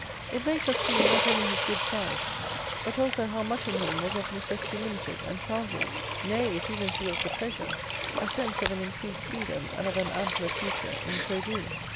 It makes us see, not only his good side, but also how much in him was of necessity limited and transient; nay, it even feels a pleasure, a sense of an increased freedom and of an ampler future, in so doing.